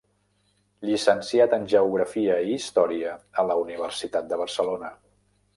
Llicenciat en geografia i història a la Universitat de Barcelona.